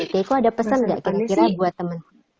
keiko ada pesan enggak kira kira buat teman